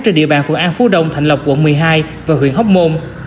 trên địa bàn phường an phú đông thành lọc quận một mươi hai và huyện hóc môn